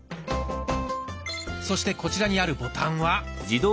そしてこちらにあるボタンは。